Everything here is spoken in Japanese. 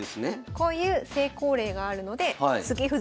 こういう成功例があるので継ぎ歩